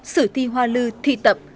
sử thi hoa lư thi tập